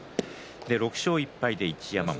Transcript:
６勝１敗で一山本。